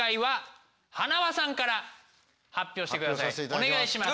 お願いします！